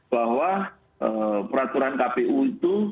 bahwa peraturan kpu itu